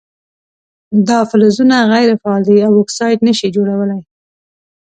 دا فلزونه غیر فعال دي او اکساید نه شي جوړولی.